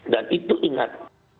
dan itu ingat